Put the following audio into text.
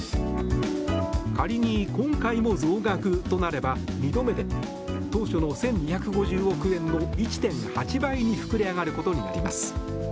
仮に今回も増額となれば２度目で当初の１２５０億円の１．８倍に膨れ上がることになります。